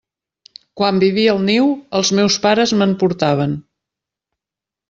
Quan vivia al niu, els meus pares me'n portaven.